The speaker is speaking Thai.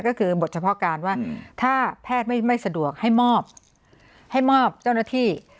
ก็คือบทเฉพาะการว่าถ้าแพทย์ไม่สะดวกให้มอบให้มอบเจ้าหน้าที่